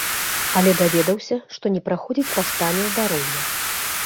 Але даведаўся, што не праходзіць па стане здароўя.